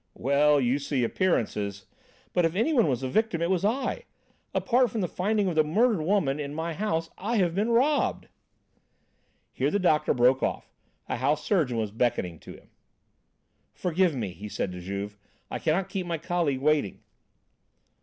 "Well, you see, appearances...." "But if anyone was a victim it was I. Apart from the finding of the murdered woman in my house, I have been robbed!" Here the doctor broke off. A house surgeon was beckoning to him. "Forgive me," he said to Juve. "I cannot keep my colleague waiting."